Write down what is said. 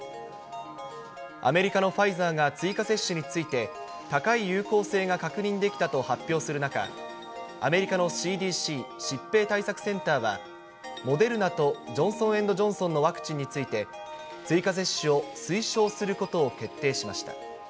アメリカのファイザーが追加接種について、高い有効性が確認できたと発表する中、アメリカのＣＤＣ・疾病対策センターは、モデルナとジョンソン・エンド・ジョンソンのワクチンについて、追加接種を推奨することを決定しました。